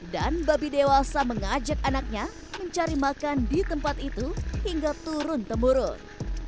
dan babi dewasa mengajak anaknya mencari makan di tempat itu hingga turun temurun